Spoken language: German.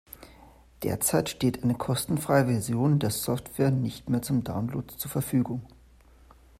Derzeit steht eine kostenfreie Version der Software nicht mehr zum Download zur Verfügung.